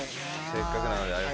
せっかくなので。